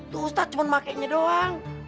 tuh ustadz cuma makainya doang